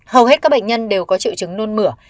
hầu hết các bệnh nhân đều có triệu chứng nôn mửa